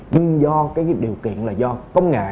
nhưng do cái điều kiện là do công nghệ